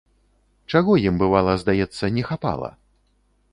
Чаго ім, бывала, здаецца, не хапала?